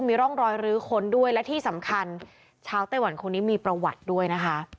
มีร่องรอยรื้อค้นด้วยและที่สำคัญชาวไต้หวันคนนี้มีประวัติด้วยนะคะ